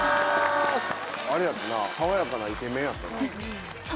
あれやったな爽やかなイケメンやったな。